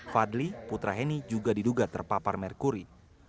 fadli putra heni juga diduga terpapar merkuri